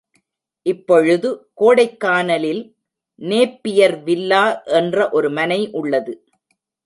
இப்பொழுது கோடைக் கானலில் Napier villa என்ற ஒரு மனை உள்ளது.